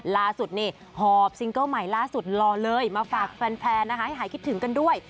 ล่าสุดนี่หอบซิงเกิ้ลใหม่ล่าสุดรอเลยมาฝากแฟนนะคะให้หายคิดถึงกันด้วย